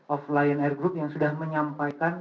of lion air group yang sudah menyampaikan